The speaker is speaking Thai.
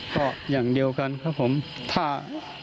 ก็อย่างเดียวกันถ้า